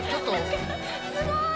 すごい！